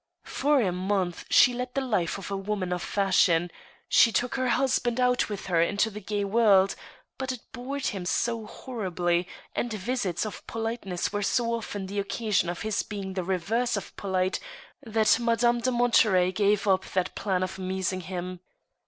For a month she led the life of a woman of fashion ; she took PORTRAIT OF A LADY. 43 her. husband out with her into the gay world, but it bored him so horribly, and visits of pditeness were so often the occasion of his being the reverse of polite, that Madame de Monterey gave up that plan of amusing him.